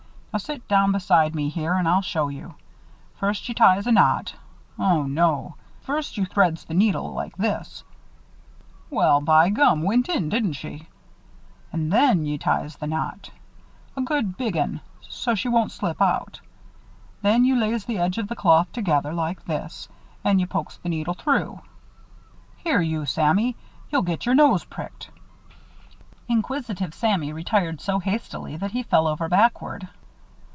"Now, sit down aside me here and I'll show you. First you ties a knot Oh, no! First you threads the needle like this Well, by gum, went in, didn't she? An' then you ties the knot a good big 'un so she won't slip out. Then you lays the edges of the cloth together, like this, and you pokes the needle through Here you, Sammy! You'll get your nose pricked!" [Illustration: THE SEWING LESSON] Inquisitive Sammy retired so hastily that he fell over backward.